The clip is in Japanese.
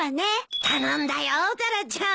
頼んだよタラちゃん。